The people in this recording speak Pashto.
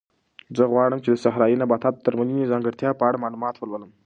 زه غواړم چې د صحرایي نباتاتو د درملنې د ځانګړتیاوو په اړه معلومات ولولم.